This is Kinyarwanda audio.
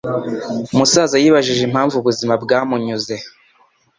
Umusaza yibajije impamvu ubuzima bwamunyuze